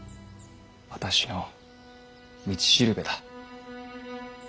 私の道しるべだ。